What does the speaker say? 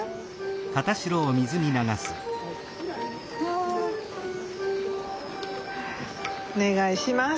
お願いします。